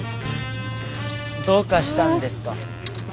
どうかしたんですか？